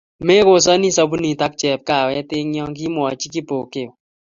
Mekosani sabunit ak chepkawet eng yo,, kimwochi Kipokeo